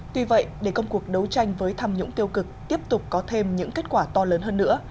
tuy vậy để công cuộc đấu tranh với tham nhũng tiêu cực tiếp tục có thêm những kết quả to lớn hơn nữa